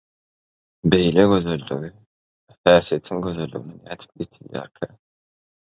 Beýle gözellige – häsiýetiň gözelligine nädip ýetilýärkä?